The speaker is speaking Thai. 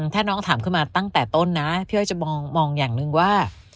ถ้าน้องถามขึ้นมาตั้งแต่ต้นนะพี่อ้อยจะมองอย่างหนึ่งว่า